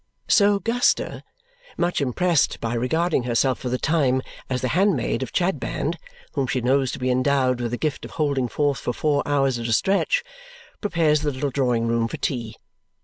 So Guster, much impressed by regarding herself for the time as the handmaid of Chadband, whom she knows to be endowed with the gift of holding forth for four hours at a stretch, prepares the little drawing room for tea.